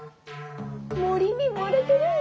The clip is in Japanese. もりにもれてる！